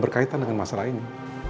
berkaitan dengan masalah ini